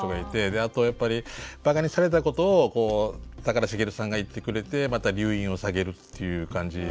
であとやっぱりばかにされたことを高良茂さんが言ってくれてまた留飲を下げるっていう感じで。